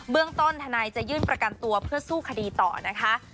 เรื่องต้นธนายจะยื่นประกันตัวเพื่อสู้คดีต่อนะคะ